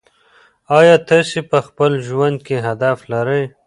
آیا تاسې په خپل ژوند کې هدف لرئ؟